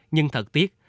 nhưng thật tiếc